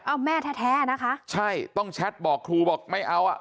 เอาแม่แท้แท้นะคะใช่ต้องแชทบอกครูบอกไม่เอาอ่ะ